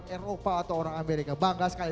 eropa atau orang amerika bangga sekali